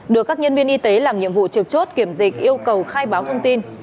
được các nhân viên y tế làm nhiệm vụ trực chốt kiểm dịch yêu cầu khai báo thông tin